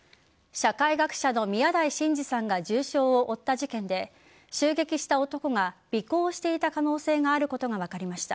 社会学者の宮台真司さんが重傷を負った事件で襲撃した男が尾行していた可能性があることが分かりました。